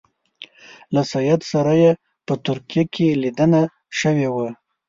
له سید سره یې په ترکیه کې لیدنه شوې ده.